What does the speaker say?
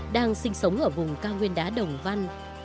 đang sinh sống ở vùng cao nguyên đá đồng văn